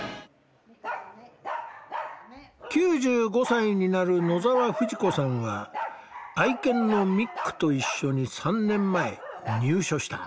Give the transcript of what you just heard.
９５歳になる野澤冨士子さんは愛犬のミックと一緒に３年前入所した。